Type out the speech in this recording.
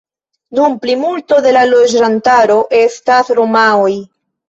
Nun plimulto de la loĝantaro estas romaoj.